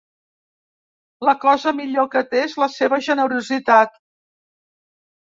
La cosa millor que té és la seva generositat.